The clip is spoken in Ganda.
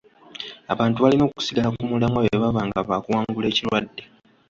Abantu balina okusigala ku mulamwa bwe baba nga bakuwangula ekirwadde.